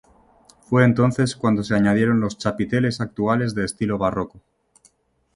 Fue entonces cuando se añadieron los chapiteles actuales de estilo barroco.